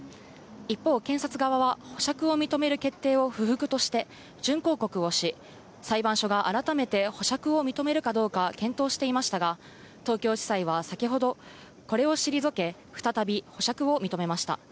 一方、検察側は保釈を認める決定を不服として準抗告をし、裁判所が改めて保釈を認めるかどうか検討していましたが、東京地裁は先ほど、これを退け、再び保釈を認めました。